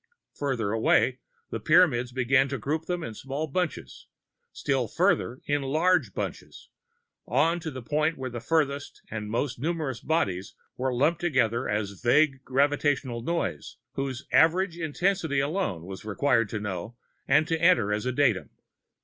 Farther away, the Pyramids began to group them in small bunches, still farther in large bunches, on to the point where the farthest and the most numerous bodies were lumped together as a vague gravitational "noise" whose average intensity alone it was required to know and to enter as a datum.